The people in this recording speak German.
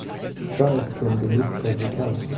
Da ist schon genug versickert.